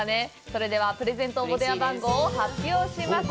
それでは、プレゼント応募電話番号を発表します。